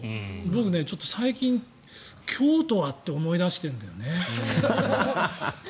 僕、ちょっと最近京都はって思い出しているんだよね。